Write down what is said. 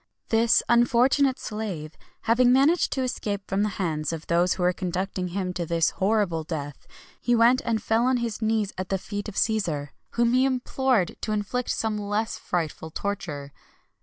This unfortunate slave having managed to escape from the hands of those who were conducting him to this horrible death, he went and fell on his knees at the feet of Cæsar, whom he implored to inflict some less frightful torture.